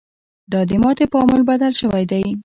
دا د ماتې په عامل بدل شوی دی.